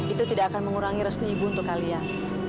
itu tidak akan mengurangi restu ibu untuk kalian